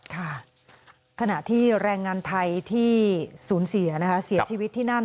ขณะที่แรงงานไทยที่สูญเสียนะคะเสียชีวิตที่นั่น